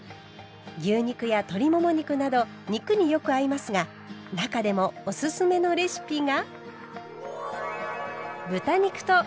牛肉や鶏もも肉など肉によく合いますが中でもおすすめのレシピが。